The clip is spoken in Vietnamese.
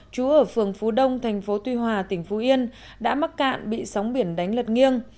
chú ở phường phú đông thành phố tuy hòa tỉnh phú yên đã mắc cạn bị sóng biển đánh lật nghiêng